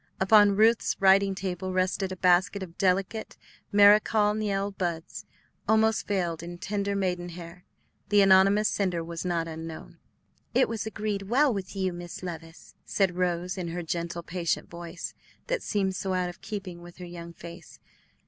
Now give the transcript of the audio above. Upon Ruth's writing table rested a basket of delicate Marechal Niel buds, almost veiled in tender maiden hair; the anonymous sender was not unknown. "It has agreed well with you, Miss Levice," said Rose, in her gentle, patient voice, that seemed so out of keeping with her young face.